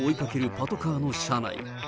パトカーの車内。